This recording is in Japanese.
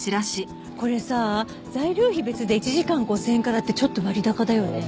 これさ材料費別で１時間５０００円からってちょっと割高だよね。